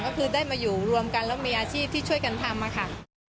ก็คือได้มาอยู่รวมกันแล้วมีอาชีพที่ช่วยกันทำค่ะ